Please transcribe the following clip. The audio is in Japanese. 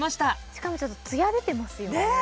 しかもちょっとツヤ出てますよねね